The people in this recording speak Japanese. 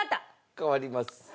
変わります。